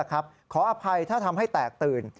ขออภัยถ้าทำให้แตกตื่น